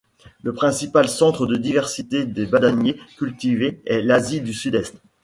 Le principal centre de diversité des bananiers cultivés est l'Asie du Sud-Est.